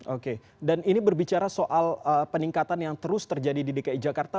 oke dan ini berbicara soal peningkatan yang terus terjadi di dki jakarta